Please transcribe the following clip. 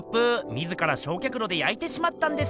自らしょうきゃくろで焼いてしまったんです。